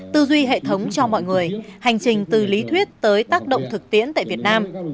tư duy hệ thống cho mọi người hành trình từ lý thuyết tới tác động thực tiễn tại việt nam